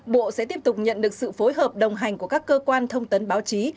bộ sẽ tiếp tục nhận được sự phối hợp đồng hành của các cơ quan thông tấn báo chí